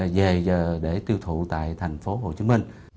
về để tiêu thụ tại tp hcm